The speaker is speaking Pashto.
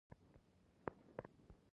انسولین د وینې شکر کنټرولوي